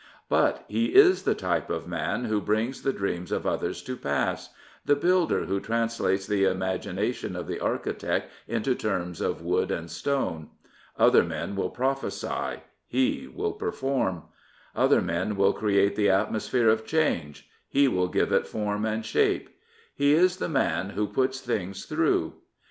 But he is the type of man who brings the dreams of others to pass — ^the builder who translates the imagina tion of the architect into terms of wood and stone. Other men will prophesy; he will perform. Other men will create the atmosphere of change; he will give it form and shape. He is the man who " puts things through.''